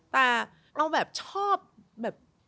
แต่เราแบบชอบแบบ